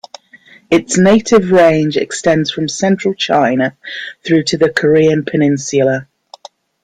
Its native range extends from Central China through to the Korean peninsula.